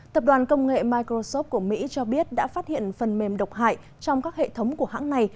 tập đoàn công nghệ microsoft của mỹ cho biết đã phát hiện phần mềm độc hại trong các hệ thống của hãng này